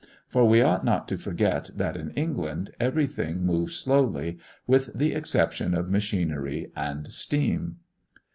For we ought not to forget that in England everything moves slowly, with the exception of machinery and steam.